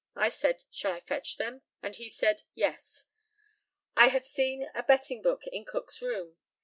I said, "Shall I fetch them?" and he said, "Yes." I had seen a betting book in Cook's room.